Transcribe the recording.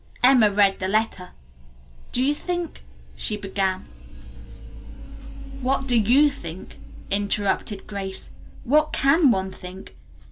Emma read the letter. "Do you think " she began. "What do you think?" interrupted Grace. "What can one think?